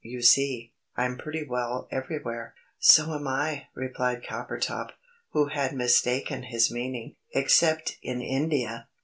"You see, I'm pretty well everywhere." "So am I," replied Coppertop, who had mistaken his meaning, "except in India!